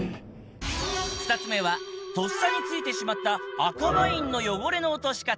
２つ目はとっさに付いてしまった赤ワインの汚れの落とし方